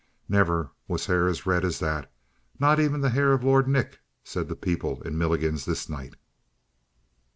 Never was hair as red as that, not even the hair of Lord Nick, said the people in Milligan's this night.